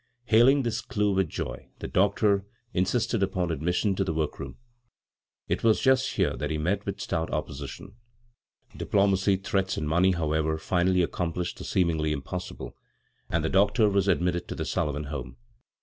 Hailing this clew with joy the doctor indsted upon admission to the work room ; but it was just here that he met with stout opposition. Diplomacy, threats, and money, however, finally accomplished the seemingly impossible, and the doctor was ad mitted to the Sullivan home.